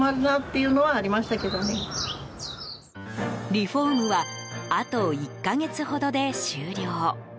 リフォームはあと１か月ほどで終了。